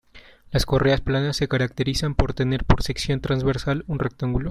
Las correas planas se caracterizan por tener por sección transversal un rectángulo.